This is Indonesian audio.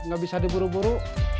gak bisa diburu buru